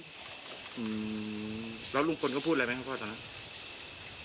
อืมแล้วลุงฝนก็พูดอะไรมั้ยครับพ่อตอนนั้น